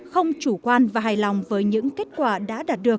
không chủ quan và hài lòng với những kết quả đã đạt được